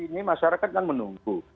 ini masyarakat yang menunggu